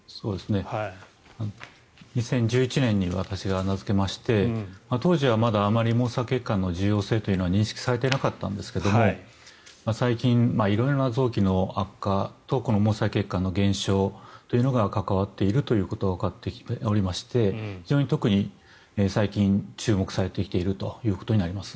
２０１１年に私が名付けまして当時はまだあまり毛細血管の重要性というのは認識されていなかったんですが最近、色んな臓器の悪化とこの毛細血管の減少というのが関わっているということがわかってきておりまして非常に特に最近注目されてきているということになります。